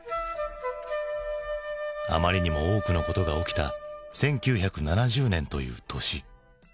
あまりにも多くのことが起きた１９７０年という年。